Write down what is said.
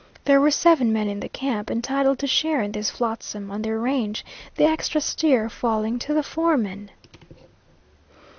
There were seven men in the camp entitled to share in this flotsam on their range, the extra steer falling to the foreman.